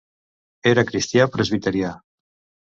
Era cristià presbiterià.